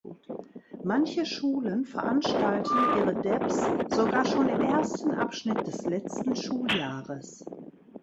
Manche Schulen veranstalten ihre Debs sogar schon im ersten Abschnitt des letzten Schuljahres.